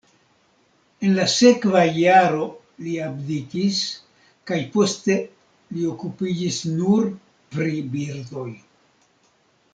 En la sekva jaro li abdikis kaj poste li okupiĝis nur pri birdoj.